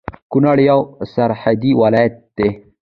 کونړ يو سرحدي ولايت دی